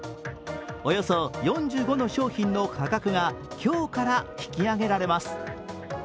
およそ４５の商品の価格が今日から引き上げられます。